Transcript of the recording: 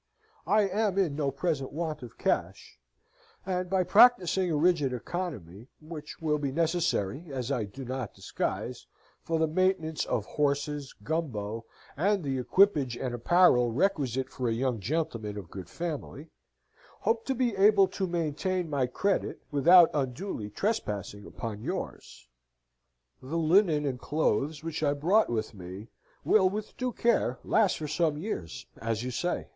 I am in no present want of cash, and by practising a rigid economy, which will be necessary (as I do not disguise) for the maintenance of horses, Gumbo, and the equipage and apparel requisite for a young gentleman of good family, hope to be able to maintain my credit without unduly trespassing upon yours. The linnen and clothes which I brought with me will with due care last for some years as you say.